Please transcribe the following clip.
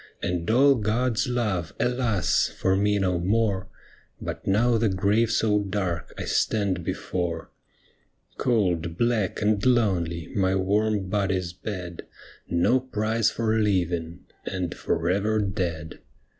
And all God's love, alas ! for me no more, But now the grave so dark I stand before. Cold, black, and lonely my warm body's bed. No prize for living — and for ever dead.